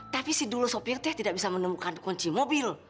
tapi si dulu sopir teh tidak bisa menemukan kunci mobil